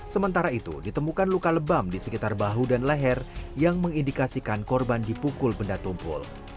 sementara itu ditemukan luka lebam di sekitar bahu dan leher yang mengindikasikan korban dipukul benda tumpul